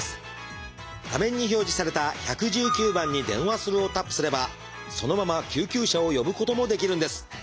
画面に表示された「１１９番に電話する」をタップすればそのまま救急車を呼ぶこともできるんです。